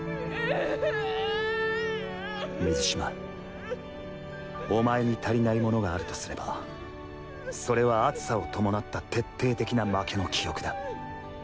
水嶋お前に足りないものがあるとすればそれは熱さをともなった徹底的な負けの記憶だ。